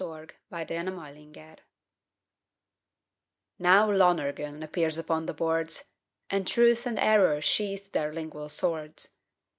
AN INTERPRETATION Now Lonergan appears upon the boards, And Truth and Error sheathe their lingual swords.